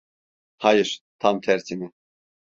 Hayır, tam tersine.